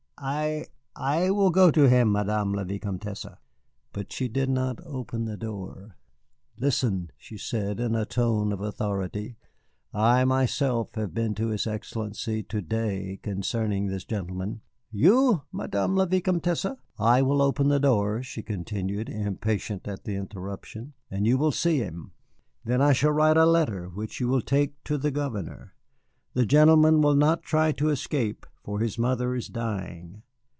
I I will go to him, Madame la Vicomtesse." But she did not open the door. "Listen," she said in a tone of authority, "I myself have been to his Excellency to day concerning this gentleman " "You, Madame la Vicomtesse?" "I will open the door," she continued, impatient at the interruption, "and you will see him. Then I shall write a letter which you will take to the Governor. The gentleman will not try to escape, for his mother is dying.